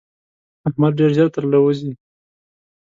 احمد ډېر ژر تر له وزي.